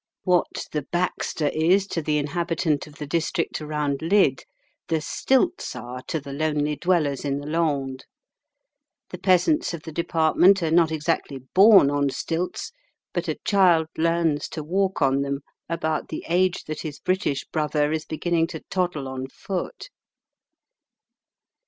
What the "backstay" is to the inhabitant of the district around Lydd, the stilts are to the lonely dwellers in the Landes. The peasants of the department are not exactly born on stilts, but a child learns to walk on them about the age that his British brother is beginning to toddle on foot.